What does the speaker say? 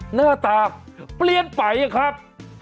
หน้าตาเปลี่ยนไปครับ